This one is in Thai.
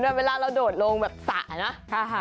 เหมือนเวลาเราโดดลงแบบสะนะ